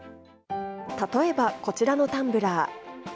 例えば、こちらのタンブラー。